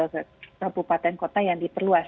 kabupaten kota yang diperluas